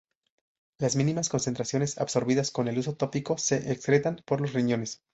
Las mínimas concentraciones absorbidas con el uso tópico se excretan por los riñones.